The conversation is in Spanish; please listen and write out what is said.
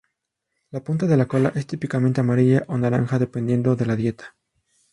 La punta de la cola es típicamente amarilla o naranja dependiendo de la dieta.